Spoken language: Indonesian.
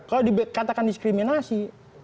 kalau dikatakan diskriminasi